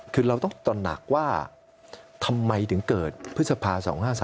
คือเราต้องตระหนักว่าทำไมถึงเกิดพฤษภา๒๕๔